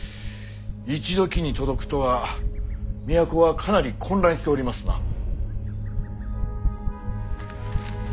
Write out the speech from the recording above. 一時に届くとは都はかなり混乱しておりますな。